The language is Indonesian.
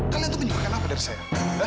kalian tuh menyukain apa dari saya